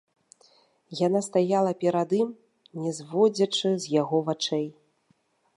Яна стаяла перад ім, не зводзячы з яго вачэй.